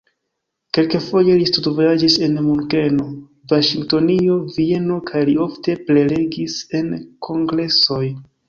Kelkfoje li studvojaĝis en Munkeno, Vaŝingtonio, Vieno kaj li ofte prelegis en kongresoj.